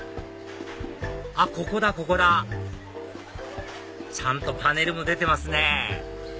あっここだここだちゃんとパネルも出てますね